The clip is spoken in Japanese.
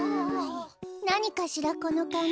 なにかしらこのかんじ。